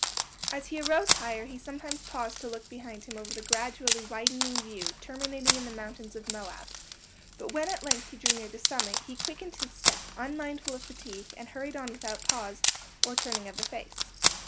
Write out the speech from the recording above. As he arose higher, he sometimes paused to look behind him over the gradually widening view terminating in the mountains of Moab; but when at length he drew near the summit, he quickened his step, unmindful of fatigue, and hurried on without pause or turning of the face.